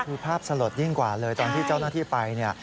คือภาพสลดยิ่งกว่าเลยตอนที่เจ้าหน้าที่ไปเนี่ย